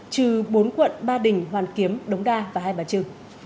trừ bốn quận ba đình hoàn kiếm đống đa và hai bà trưng